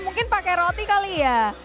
mungkin pakai roti kali ya